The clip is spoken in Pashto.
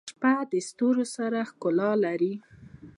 • شپه د ستورو سره ښکلا لري.